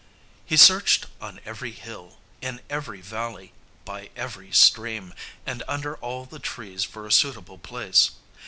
He searched on every hill, in every valley, by every stream, and under all the trees for a suitable place.